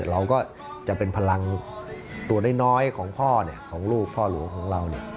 เราก็จะเป็นพลังตัวน้อยของพ่อของลูกพ่อหลวงของเรา